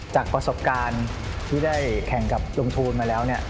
จากประสบการณ์ที่ได้แข่งกับลุงทูลมาแล้ว